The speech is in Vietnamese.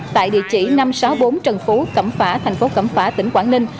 tại địa chỉ năm trăm sáu mươi bốn trần phú cẩm phả thành phố cẩm phả tỉnh quảng ninh